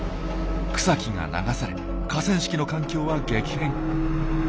草木が流され河川敷の環境は激変。